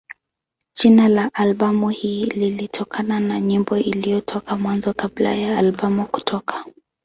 Jina la albamu hii lilitokana na nyimbo iliyotoka Mwanzo kabla ya albamu kutoka.